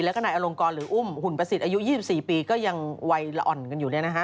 และกระหน่ายอลงกรหรืออุ่มหุ่นประสิทธิ์อายุ๒๔ปีก็ยังไวล่อ่อนกันอยู่เนี่ยนะฮะ